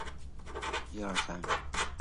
同治十年任直隶布政使。